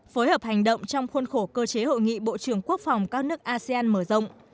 phối hợp hành động trong khuôn khổ cơ chế hội nghị bộ trưởng quốc phòng các nước asean mở rộng